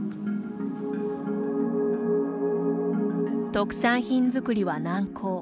特産品作りは難航。